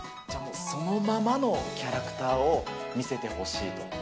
じゃあもう、そのままのキャラクターを見せてほしいと。